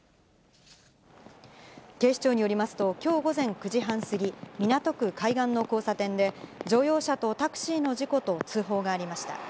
警視庁によりますと、きょう午前９時半過ぎ、港区海岸の交差点で、乗用車とタクシーの事故と通報がありました。